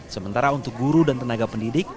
sementara untuk guru dan tenaga pendidik